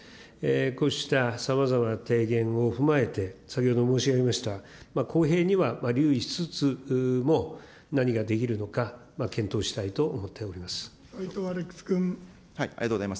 こうしたさまざまな提言を踏まえて、先ほど申し上げました、公平には留意しつつも、何ができるのか検討したいと思っております。